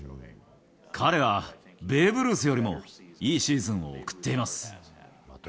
彼はベーブ・ルースよりも、いいシーズンを送っています。